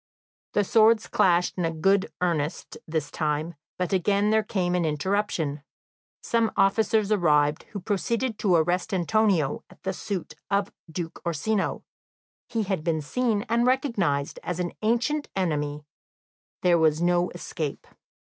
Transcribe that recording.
The swords clashed in good earnest this time, but again there came an interruption. Some officers arrived, who proceeded to arrest Antonio at the suit of Duke Orsino; he had been seen and recognised as an ancient enemy; there was no escape.